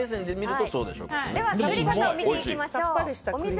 では作り方を見ていきましょう。